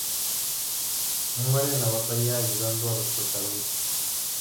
Muere en la batalla ayudando a los protagonistas.